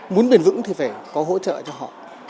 muốn bền vững thì phải có hỗ trợ cho họ